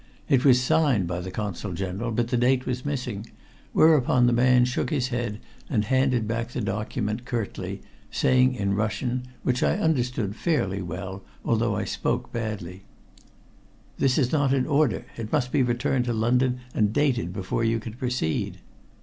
It was signed by the Consul General, but the date was missing, whereupon the man shook his head and handed back the document curtly, saying in Russian, which I understood fairly well, although I spoke badly "This is not in order. It must be returned to London and dated before you can proceed."